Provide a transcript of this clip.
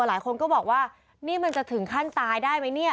หลายคนก็บอกว่านี่มันจะถึงขั้นตายได้ไหมเนี่ย